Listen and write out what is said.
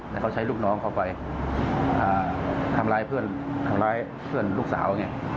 แต่เขาใช้ลูกน้องเขาไปทำร้ายเพื่อนลูกสาว